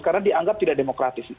karena dianggap tidak demokratis